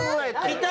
来た！